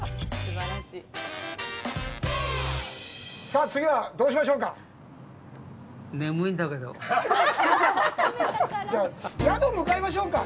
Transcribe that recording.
さあ、次はどうしましょうか。